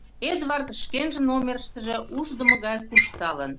Эдвард шкенжын номерыштыже ушдымо гай куржталын.